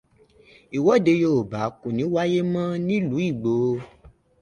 Ìwọ́de Yorùbá kò ní wáyé mọ́ nílùú Ìgbòho.